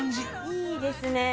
いいですね。